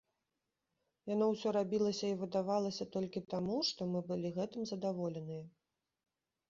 Яно ўсё рабілася і выдавалася толькі таму, што мы былі гэтым задаволеныя.